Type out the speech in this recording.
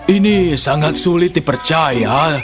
ini sangat sulit dipercaya